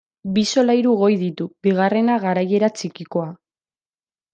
Bi solairu goi ditu, bigarrena garaiera txikikoa.